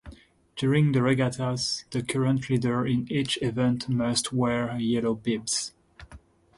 During the regattas the current leader in each event must wear yellow bibs.